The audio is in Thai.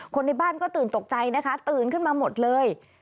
ในบ้านก็ตื่นตกใจนะคะตื่นขึ้นมาหมดเลย